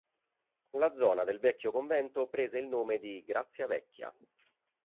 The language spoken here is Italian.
La zona del vecchio convento prese il nome di "Grazia Vecchia".